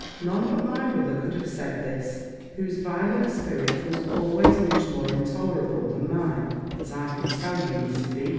None but my brother could have said this, whose violent spirit was always much more intolerable than mine: but I can tell you, Mr. B.